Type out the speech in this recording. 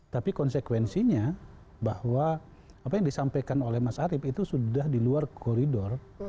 tapi konsekuensinya bahwa apa yang disampaikan oleh mas arief itu sudah di luar koridor